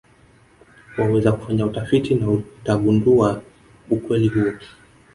Waweza kufanya utafiti na utagundua ukweli huo